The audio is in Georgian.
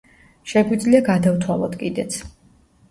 შეგვიძლია გადავთვალოთ კიდეც.